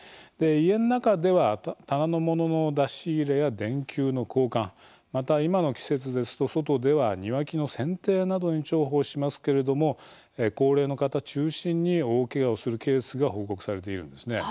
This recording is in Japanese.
家の中では棚のものの出し入れや電球の交換、また今の季節ですと外では庭木のせんていなどに重宝しますけれども高齢の方中心に大けがをするケースが報告されているんですね。